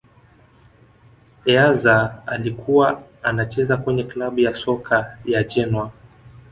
eazza alikuwa anacheza kwenye klabu ya soka ya genoa